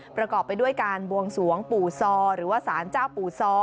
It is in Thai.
ประกอบไปด้วยการบวงสวงปู่ซอหรือว่าสารเจ้าปู่ซอ